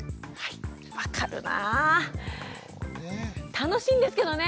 楽しいんですけどね。